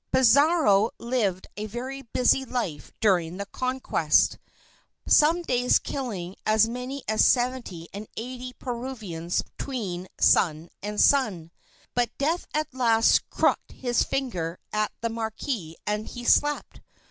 Pizarro lived a very busy life during the conquest, some days killing as many as seventy and eighty Peruvians between sun and sun. But death at last crooked his finger at the marquis and he slept.